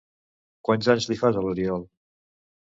Quants anys li fas, a l'Oriol?